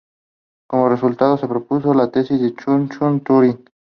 Como resultado se postuló la Tesis de Church-Turing.